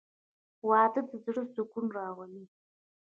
• واده د زړه سکون راولي.